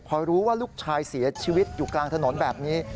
พอรู้ว่าลูกชายเสียชีวิตอยู่กลางถนนแบบนี้